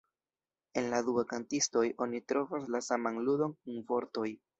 En la dua kantistoj, oni trovas la saman ludon kun vortoj.